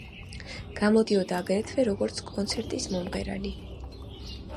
გამოდიოდა აგრეთვე როგორც კონცერტის მომღერალი.